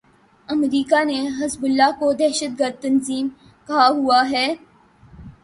امریکا نے حزب اللہ کو دہشت گرد تنظیم کہا ہوا ہے۔